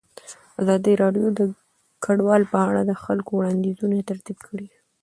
ازادي راډیو د کډوال په اړه د خلکو وړاندیزونه ترتیب کړي.